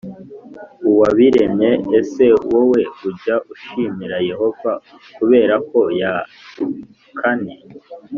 uwabiremye Ese wowe ujya ushimira Yehova kubera ko ya kane